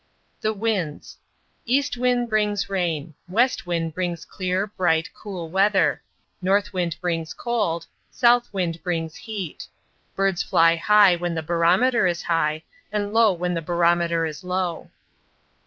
THE WINDS East wind brings rain. West wind brings clear, bright, cool weather. North wind brings cold. South wind brings heat. Birds fly high when the barometer is high, and low when the barometer is low.